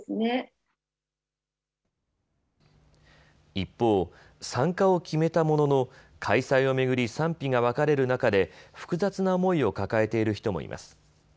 一方、参加を決めたものの開催を巡り賛否が分かれる中で複雑な思いを抱えている人もいます。